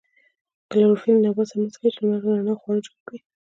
کلوروفیل له نبات سره مرسته کوي چې د لمر له رڼا خواړه جوړ کړي